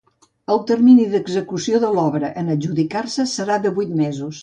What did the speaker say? El termini d’execució de l’obra, en adjudicar-se, serà de vuit mesos.